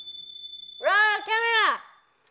ロールキャメラ！